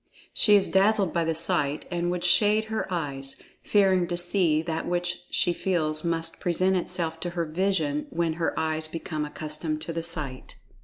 She is dazzled by the sight, and would shade her eyes, fearing to see that which she feels must present itself to her vision when her eyes become accustomed to the sight.